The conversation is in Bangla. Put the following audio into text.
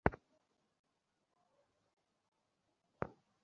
আগে বলো নাই কেন?